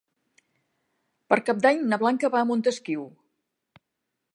Per Cap d'Any na Blanca va a Montesquiu.